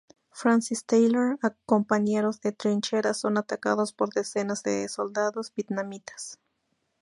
Francis y Taylor, compañeros de trinchera, son atacados por decenas de soldados vietnamitas.